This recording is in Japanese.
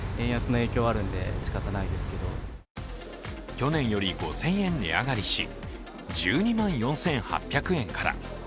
去年より５０００円値上がりし、１２万４８００円から。